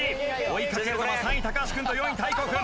追いかけるのは３位橋君と４位大光君。